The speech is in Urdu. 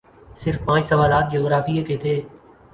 صرف پانچ سوالات جغرافیے کے تھے